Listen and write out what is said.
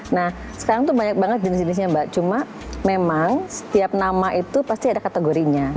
nah sekarang tuh banyak banget jenis jenisnya mbak cuma memang setiap nama itu pasti ada kategorinya